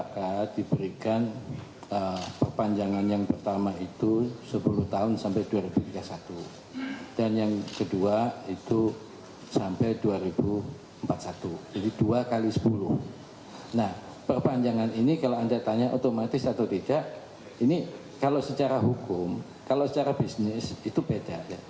kalau secara bisnis itu beda